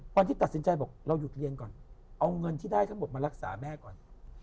ตอนที่ตัดสินใจบอกเราหยุดเรียนก่อนเอาเงินที่ได้ทั้งหมดมารักษาแม่ก่อน